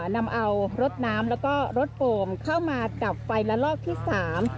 นำเอารถน้ำแล้วก็รถโป่งเข้ามาดับไฟละลอกที่สาม